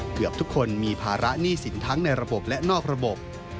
เกือบทุกคนมีภาระหนี้สินทั้งในระบบและนอกระบบ